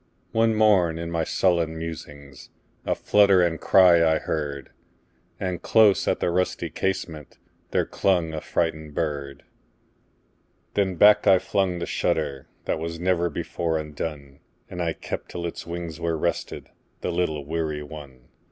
One morn, in my sullen musings,A flutter and cry I heard; And close at the rusty casementThere clung a frightened bird. Then back I flung the shutterThat was never before undone, And I kept till its wings were restedThe little weary one.